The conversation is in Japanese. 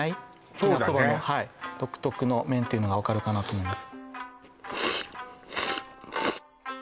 沖縄そばの独特の麺っていうのが分かるかなと思います